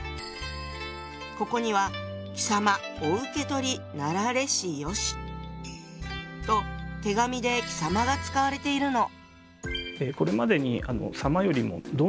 ここには「貴様御受け取りなられしよし」と手紙で「貴様」が使われているの。